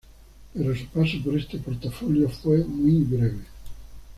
Pero su paso por este portafolio fue muy breve.